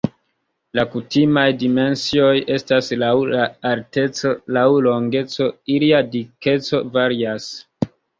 La kutimaj dimensioj estas laŭ alteco, laŭ longeco, ilia dikeco varias.